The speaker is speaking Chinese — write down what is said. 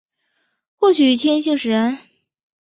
或许天性使然